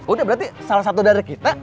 udah berarti salah satu dari kita